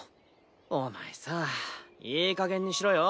お前さぁいいかげんにしろよ。